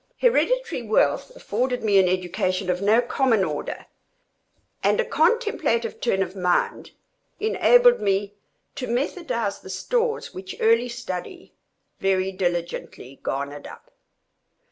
Hereditary wealth afforded me an education of no common order, and a contemplative turn of mind enabled me to methodize the stores which early study very diligently garnered up.